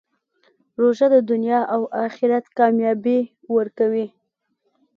روژه د دنیا او آخرت کامیابي ورکوي.